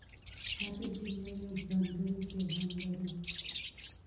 هره جمله یو ځانګړی پیغام لري.